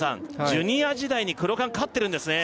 ジュニア時代にクロカン勝ってるんですね